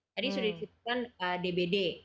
jadi sudah dikirakan dbd